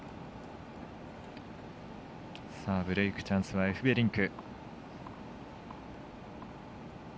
ブレークチャンスはエフベリンク。